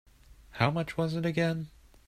How much was it again?